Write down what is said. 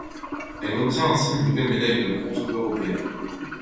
Elle obtient ainsi une nouvelle médaille de bronze européenne.